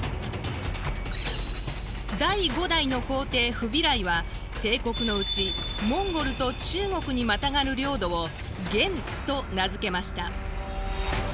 第五代の皇帝フビライは帝国のうちモンゴルと中国にまたがる領土を元と名付けました。